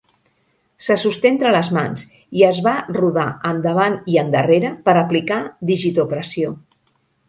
Se sosté entre les mans i es va rodar endavant i endarrere per aplicar digitopressió.